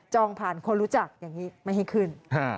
ผ่านคนรู้จักอย่างนี้ไม่ให้ขึ้น